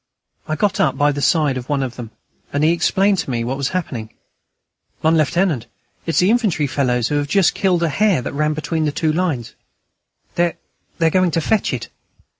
I got up by the side of one of them, and he explained to me what was happening. "Mon Lieutenant, it's the infantry fellows who have just killed a hare that ran between the two lines, and they're going to fetch it...."